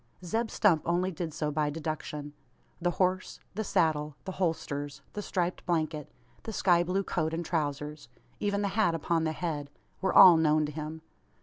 Zeb Stump only did so by deduction. The horse, the saddle, the holsters, the striped blanket, the sky blue coat and trousers even the hat upon the head were all known to him.